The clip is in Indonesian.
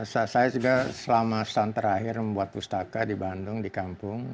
saya juga selama setahun terakhir membuat pustaka di bandung di kampung